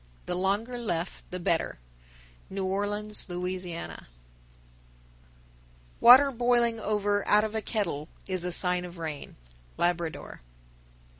The longer left the better. New Orleans, La. (negro). 1041. Water boiling over out of a kettle is a sign of rain. _Labrador.